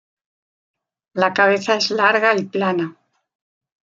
La cabeza es larga y plana.